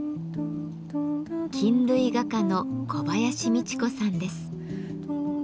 菌類画家の小林路子さんです。